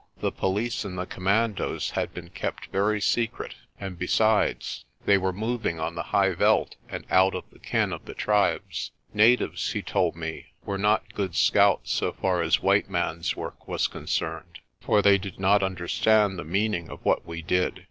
The police and the commandos had been kept very secret and, besides, they were moving on the high veld and out of the ken of the tribes. Natives, he told me, were not good scouts so far as white man's work was concerned, for they did not understand the meaning of what we did.